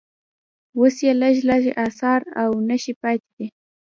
اوس یې لږ لږ اثار او نښې پاتې دي.